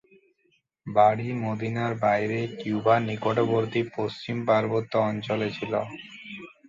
বাড়ি মদীনার বাইরে কিউবার নিকটবর্তী পশ্চিম পার্বত্য অঞ্চলে ছিল।